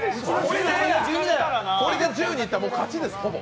これで１２いったら勝ちです、ほぼ。